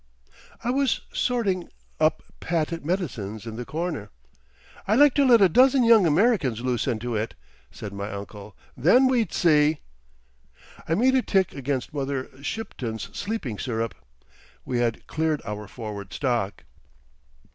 I was sorting up patent medicines in the corner. "I'd like to let a dozen young Americans loose into it," said my uncle. "Then we'd see." I made a tick against Mother Shipton's Sleeping Syrup. We had cleared our forward stock.